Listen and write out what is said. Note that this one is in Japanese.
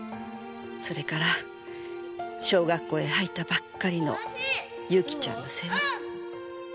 それから小学校へ入ったばっかりの由起ちゃんの世話。